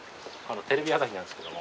テレビ朝日なんですけども。